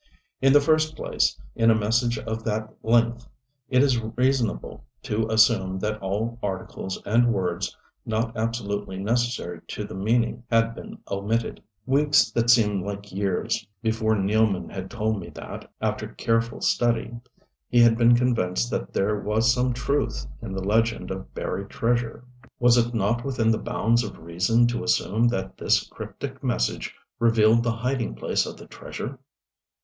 In the first place, in a message of that length it is reasonable to assume that all articles and words not absolutely necessary to the meaning had been omitted. Weeks that seemed years before Nealman had told me that, after careful study, he had been convinced that there was some truth in the legend of buried treasure. Was it not within the bounds of reason to assume that this cryptic message revealed the hiding place of the treasure?